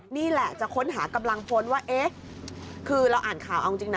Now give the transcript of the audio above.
นี่แหละจะค้นหากำลังพลว่าเอ๊ะคือเราอ่านข่าวเอาจริงนะ